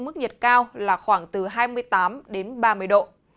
mức nhiệt cao là khoảng từ hai mươi tám đến ba mươi độ